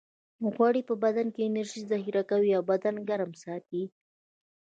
غوړ په بدن کې انرژي ذخیره کوي او بدن ګرم ساتي